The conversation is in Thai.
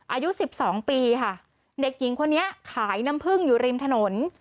อายุสิบสองปีค่ะเด็กหญิงคนนี้ขายน้ำพึ่งอยู่ริมถนน